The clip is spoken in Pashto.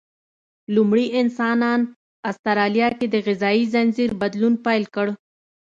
لومړني انسانان استرالیا کې د غذایي ځنځیر بدلولو پیل وکړ.